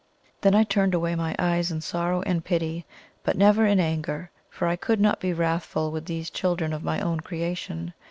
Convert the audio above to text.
Then I turned away my eyes in sorrow and pity, but never in anger; for I could not be wrathful with these children of my own creation.